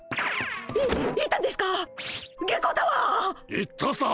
行ったさ！